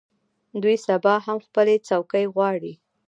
دوی سبا هم خپلې څوکۍ غواړي.